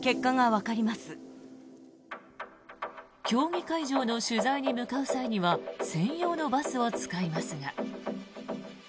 競技会場の取材に向かう際には専用のバスを使いますが。